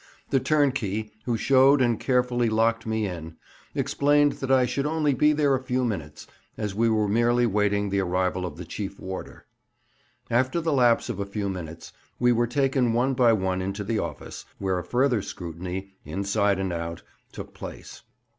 The turnkey, who showed and carefully locked me in, explained that I should only be there a few minutes, as we were merely awaiting the arrival of the chief warder. After the lapse of a few minutes, we were taken one by one into the office, where a further scrutiny "inside and out" took place.